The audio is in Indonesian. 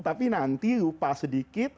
tapi nanti lupa sedikit